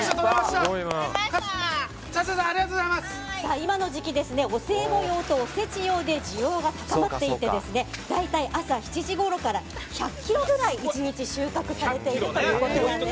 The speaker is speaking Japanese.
今の時期、お歳暮用とおせち用で需要が高まっていて大体朝７時ごろから１００ｋｇくらい１日収穫されているということです。